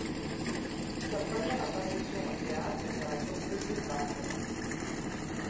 Sa première apparition au théâtre est à la Komödie Basel.